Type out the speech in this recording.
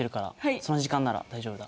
その時間なら大丈夫だ。